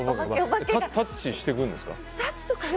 タッチしてくるんですか？